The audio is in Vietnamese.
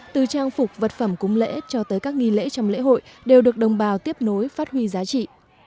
từ trang phục vật phẩm cúng lễ cho tới các nghi lễ trong lễ hội đều được đồng bào tiếp nối phát huy giá trị